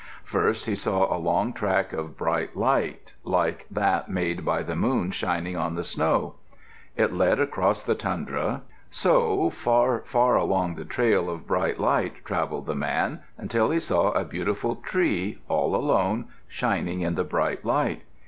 First he saw a long track of bright light, like that made by the moon shining on the snow. It led across the tundra. So far, far along the trail of bright light travelled the man until he saw a beautiful tree, all alone, shining in the bright light.